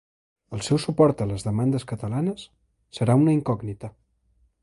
El seu suport a les demandes catalanes serà una incògnita.